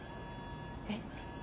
えっ？